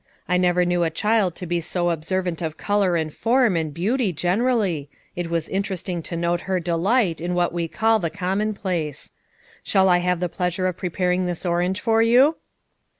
I never knew a child to he so observant of color and form and beauty generally ; it was interest ing to note her delight in what we call the commonplace, Shall I have the pleasure of preparing this orange for you?"